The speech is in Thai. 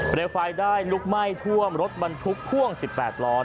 เปลี่ยวไฟได้ลุกไหม้ท่วมรถบันทุกข์พ่วง๑๘ล้อ